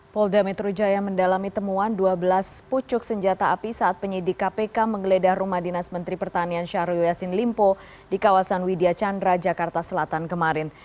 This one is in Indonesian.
polda metro jaya mendalami temuan dua belas pucuk senjata api saat penyidik kpk menggeledah rumah dinas menteri pertanian syahrul yassin limpo di kawasan widya chandra jakarta selatan kemarin